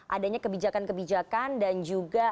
adanya kebijakan kebijakan dan juga